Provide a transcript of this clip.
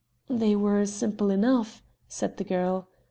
"They were simple enough," said the girl.